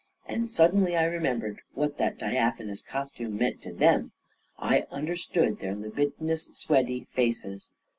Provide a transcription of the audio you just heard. And suddenly I remembered what that diaphanous costume meant to them; I un derstood their libidinous, sweaty faces